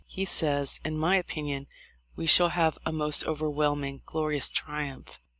He says : "In my opinion we shall have a most overwhelming glorious triumph.